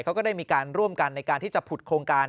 ก็ได้มีการร่วมกันในการที่จะผุดโครงการ